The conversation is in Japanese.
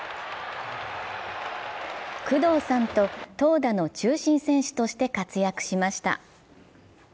工藤さんと投打の中心選手として活躍しました。